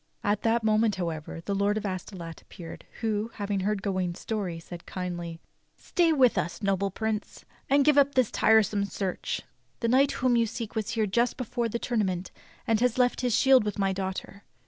At that moment, however, the Lord of Astolat ap peared, who, having heard Ga wain's story, said kindly: "Stay with us, noble Prince, and give up this tiresome search. The knight whom you seek was here just before the tournament and left his shield with my daughter.